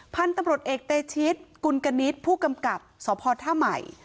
พันธุ์ตำรวจเอกเตชิศกุลกะนิดผู้กำกับสธาหมาย